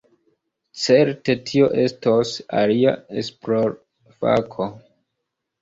Certe tio estos alia esplorfako.